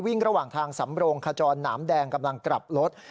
ระหว่างทางสำโรงขจรหนามแดงกำลังกลับรถ